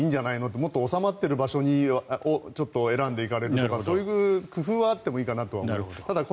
もっと収まっている場所を選んで行かれるとかそういう工夫はあってもいいかなと。